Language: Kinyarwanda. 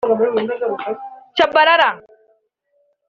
Tchabalala